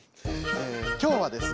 今日はですね